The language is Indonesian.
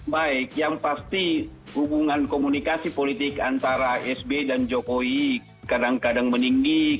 baik yang pasti hubungan komunikasi politik antara sbe dan jokowi kadang kadang meninggi